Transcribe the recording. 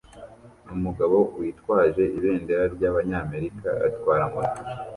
Umugabo witwaje ibendera ryabanyamerika atwara moto